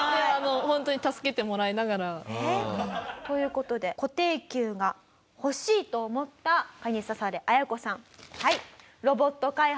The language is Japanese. ホントに助けてもらいながら。という事で「固定給が欲しい！」と思ったカニササレアヤコさん。